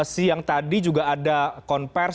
siang tadi juga ada konversi